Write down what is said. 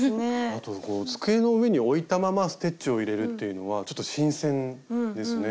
あと机の上に置いたままステッチを入れるっていうのはちょっと新鮮ですね。